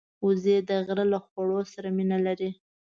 وزې د غره له خواړو سره مینه لري